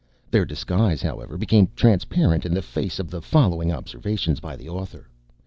Their disguise, however, became transparent in the face of the following observations by the author.